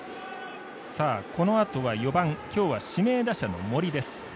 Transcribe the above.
このあとは、４番今日は指名打者の森です。